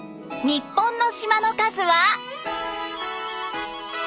日本の島の数は。